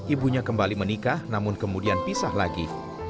ibunya kembali menikah namun kemudian pisah lagi